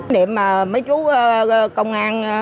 niệm mấy chú công an